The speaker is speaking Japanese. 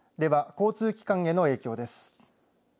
交通機関への影響です。